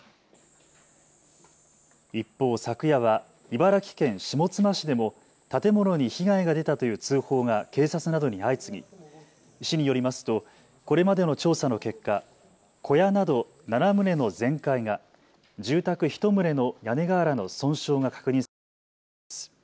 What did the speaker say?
一方、昨夜は茨城県下妻市でも建物に被害が出たという通報が警察などに相次ぎ市によりますとこれまでの調査の結果、小屋など７棟の全壊が、住宅１棟の屋根瓦の損傷が確認されているということです。